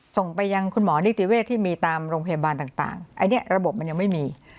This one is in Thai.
ส่งไปยังคุณหมอนิติเวศที่มีตามโรงพยาบาลต่างอันนี้ระบบมันยังไม่มี